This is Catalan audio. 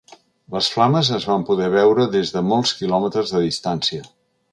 Les flames es van poder veure des de molts quilòmetres de distància.